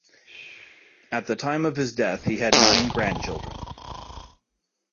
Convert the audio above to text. At the time of his death he had nine grandchildren.